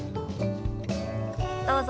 どうぞ。